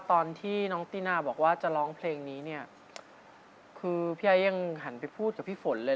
ตอนที่น้องตินาบอกว่าจะร้องเพลงนี้เนี่ยคือพี่ไอ้ยังหันไปพูดกับพี่ฝนเลย